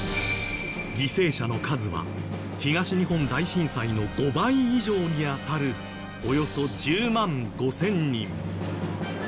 犠牲者の数は東日本大震災の５倍以上に当たるおよそ１０万５０００人。